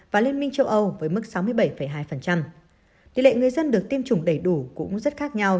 và liên minh châu âu với mức sáu mươi bảy hai tỷ lệ người dân được tiêm chủng đầy đủ cũng rất khác nhau